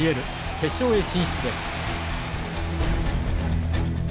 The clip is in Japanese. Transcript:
決勝へ進出です。